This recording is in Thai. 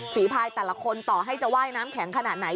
พายแต่ละคนต่อให้จะว่ายน้ำแข็งขนาดไหน